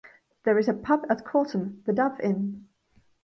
There is a pub at Corton, the "Dove Inn".